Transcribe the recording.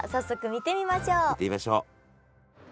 見てみましょう。